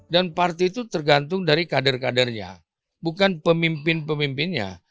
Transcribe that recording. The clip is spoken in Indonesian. dan partai itu tergantung dari kader kadernya bukan pemimpin pemimpinnya